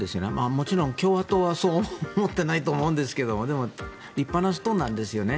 もちろん共和党はそう思っていないと思うんですがでも、立派な人なんですよね。